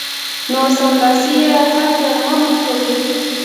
نو سملاسي یې حل ته مه مخه کوئ